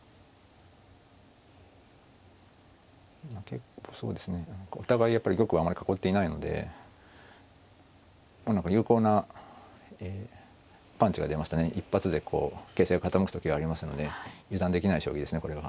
結構そうですねお互いやっぱり玉をあまり囲っていないので有効なパンチが出ますとね一発でこう形勢が傾く時がありますので油断できない将棋ですねこれは。